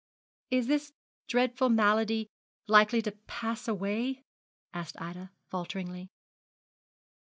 'Is this dreadful malady likely to pass away?' asked Ida, falteringly.